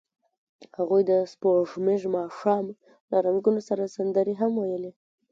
هغوی د سپوږمیز ماښام له رنګونو سره سندرې هم ویلې.